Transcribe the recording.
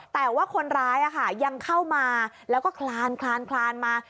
แต่ว่าคนร้ายยังเข้ามาแล้วก็คลานมา